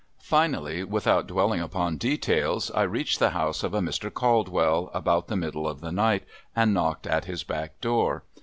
Finally, without dwelling upon details, I reached the house of a Mr. Caldwell, about the middle of the night, and knocked at his back door.